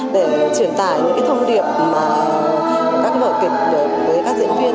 để truyền tải những cái thông điệp mà các vở kịch được với các diễn viên